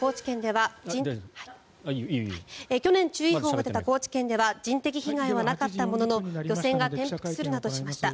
去年注意報が出た高知県では人的被害がなかったものの漁船が転覆するなどしました。